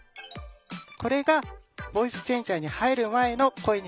これがボイスチェンジャーに入る前の声になっています。